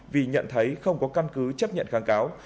vì nhận thấy không có căn cứ chấp nhận kháng cáo